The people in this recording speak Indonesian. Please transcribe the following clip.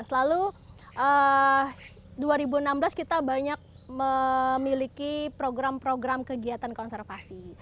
lalu dua ribu enam belas kita banyak memiliki program program kegiatan konservasi